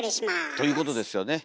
ということですよね。